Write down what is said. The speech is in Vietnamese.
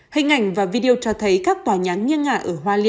hình ảnh và video cho thấy các tòa nháng như ngã ở hoa